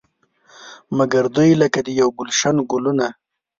مګر دوی لکه د یو ګلش ګلونه.